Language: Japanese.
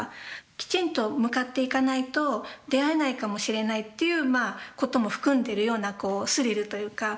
きちんと向かっていかないと出会えないかもしれないということも含んでるようなスリルというか。